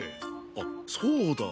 あっそうだ！